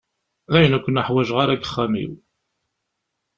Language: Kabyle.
Dayen ur ken-uḥwaǧeɣ ara deg uxxam-iw.